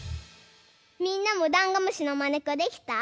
みんなもダンゴムシのまねっこできた？